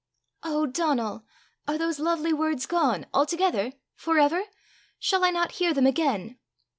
"Oh, Donal! are those lovely words gone altogether for ever? Shall I not hear them again?"